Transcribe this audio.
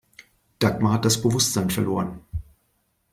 Dagmar hat das Bewusstsein verloren.